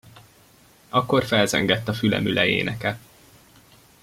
Akkor felzengett a fülemüle éneke.